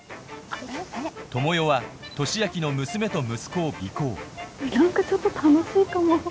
智代は利明の娘と息子を尾行何かちょっと楽しいかも。